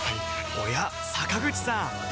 おや坂口さん